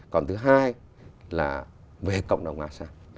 còn thứ hai là về cộng đồng asean